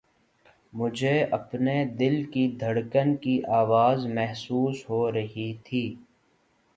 مجھے اپنے دل کی دھڑکن کی آواز محسوس ہو رہی تھی